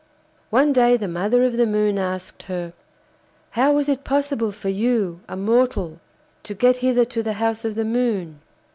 One day the mother of the Moon asked her: 'How was it possible for you, a mortal, to get hither to the house of the Moon?